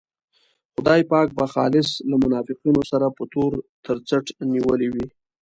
خدای پاک به خالص له منافقینو سره په تور تر څټ نیولی وي.